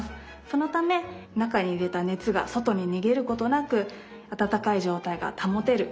そのため中に入れた熱が外に逃げることなく温かい状態が保てる。